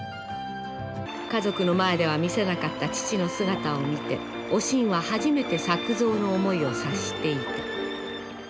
「家族の前では見せなかった父の姿を見ておしんは初めて作造の思いを察していた」。